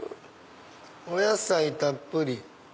お野菜たっぷり。